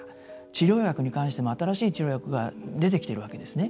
治療薬に関しても新しい治療薬が出てきているわけですね。